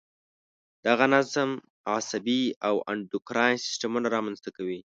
دغه نظم عصبي او انډوکراین سیستمونه را منځته کوي.